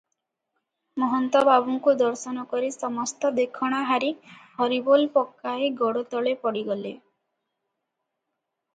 ମହନ୍ତ ବାବାଙ୍କୁ ଦର୍ଶନ କରି ସମସ୍ତ ଦେଖଣାହାରୀ ହରିବୋଲ ପକାଇ ଗୋଡତଳେ ପଡ଼ିଗଲେ ।